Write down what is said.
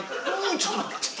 ちょっと待って。